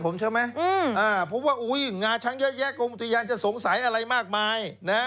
เพราะว่างาช้างแย่กรมทุยยานจะสงสัยอะไรมากมาย